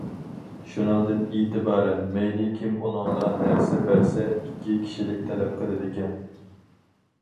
شۇنىڭدىن ئېتىبارەن، مەيلى كىم ئۇنىڭغا نەرسە بەرسە ئىككى كىشىلىك تەلەپ قىلىدىكەن.